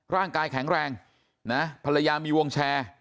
ร่างกายแข็งแรงนะภรรยามีวงแชร์